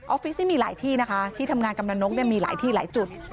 ฟิศนี่มีหลายที่นะคะที่ทำงานกำลังนกมีหลายที่หลายจุด